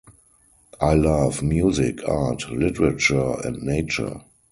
I love music, art, literature, and nature.